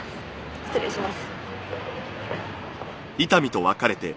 失礼します。